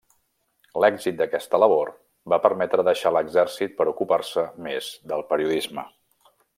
L'èxit d'aquesta labor va permetre deixar l'exèrcit per ocupar-se més de periodisme.